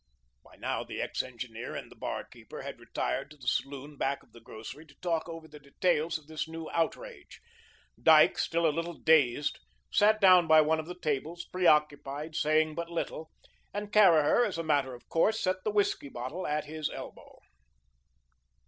By now, the ex engineer and the bar keeper had retired to the saloon back of the grocery to talk over the details of this new outrage. Dyke, still a little dazed, sat down by one of the tables, preoccupied, saying but little, and Caraher as a matter of course set the whiskey bottle at his elbow.